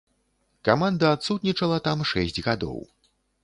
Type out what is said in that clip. Каманда адсутнічала там шэсць гадоў.